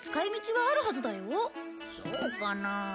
そうかなあ。